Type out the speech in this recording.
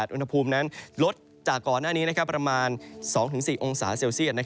อุณหภูมินั้นลดจากก่อนหน้านี้ประมาณ๒๔องศาเซลเซียต